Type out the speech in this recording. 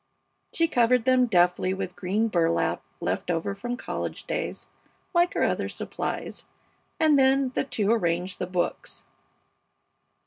She covered them deftly with green burlap left over from college days, like her other supplies, and then the two arranged the books.